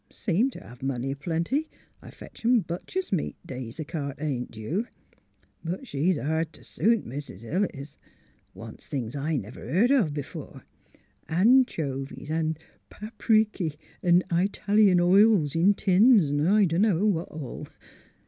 Seem t' hev money a plenty. I fetch 'em butcher's meat, days the cart ain't due. But she's hard t' suit, Mis' Hill is — wants things I never heard of b'fore; an chovies 'n' pap riky 'n' I talian oil in tins, 'n' I dunno what all.